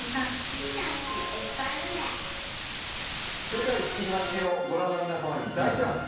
「世界ふしぎ発見！」をご覧の皆様に大チャンス！